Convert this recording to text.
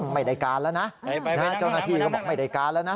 ไม่ได้การแล้วนะเจ้าหน้าที่ก็บอกไม่ได้การแล้วนะ